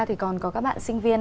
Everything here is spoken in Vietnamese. thì còn có các bạn sinh viên